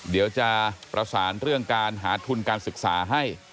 เดี๋ยวจะประสานเรื่องการหาทุนการศึกษาให้